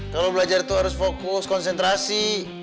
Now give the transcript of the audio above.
kalau belajar itu harus fokus konsentrasi